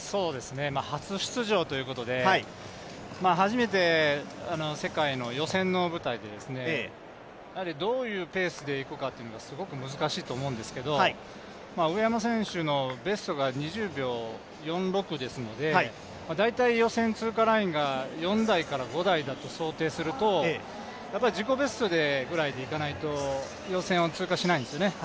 初出場ということで初めて世界の予選の舞台でどういうペースでいくかというのがすごく難しいと思うんですけど上山選手のベストが２０秒４６ですので、だいたい予選通過ラインが４台から５台だと想定すると、自己ベストぐらいでいかないと予選を通過しないんですよね。